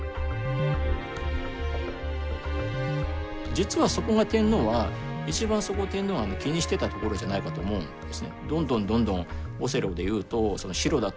実はそこが天皇は一番そこを天皇は気にしてたところじゃないかと思うんですね。